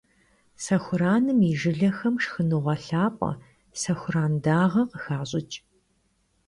Сэхураным и жылэхэм шхыныгъуэ лъапӀэ - сэхуран дагъэ - къыхащӀыкӀ.